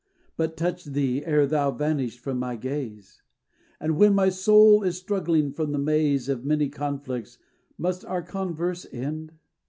But touched thee ere thou vanished from my gaze? And when my soul is struggling from the maze Of many conflicts, must our converse end?